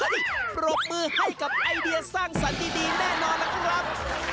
ปรบมือให้กับไอเดียสร้างสรรค์ดีแน่นอนล่ะครับ